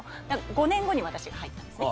５年後に私が入ったんですね。